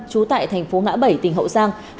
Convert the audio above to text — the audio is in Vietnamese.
chú tại thành phố ngã bảy tỉnh hậu giang